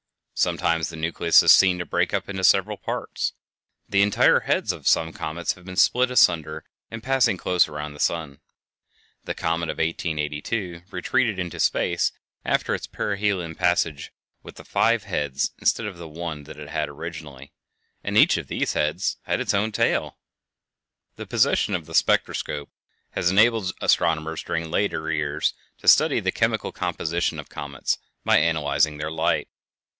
Sometimes the nucleus is seen to break up into several parts. The entire heads of some comets have been split asunder in passing close around the sun; The comet of 1882 retreated into space after its perihelion passage with five heads instead of the one that it had originally, and each of these heads had its own tail! The possession of the spectroscope has enabled astronomers during later years to study the chemical composition of comets by analyzing their light.